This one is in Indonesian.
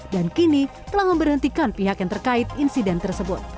dan kini telah memberhentikan pihak yang terkait insiden tersebut